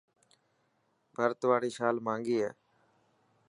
ڀرت واري شال مهانگي هي.